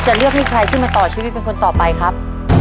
เลือกให้ใครขึ้นมาต่อชีวิตเป็นคนต่อไปครับ